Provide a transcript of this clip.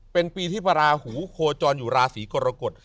เป็นปีที่พระราหูโคจรอยู่ราศีกรกฎ